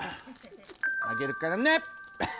あげるからね。